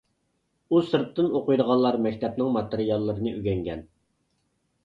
ئۇ سىرتتىن ئوقۇيدىغانلار مەكتىپىنىڭ ماتېرىياللىرىنى ئۆگەنگەن.